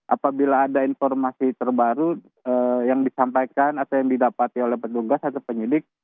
apabila ada informasi terbaru yang disampaikan atau yang didapati oleh petugas atau penyidik